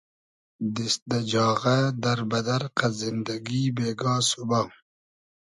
دیست دۂ جاغۂ، دئر بئدئر قئد زیندئگی بېگا سوبا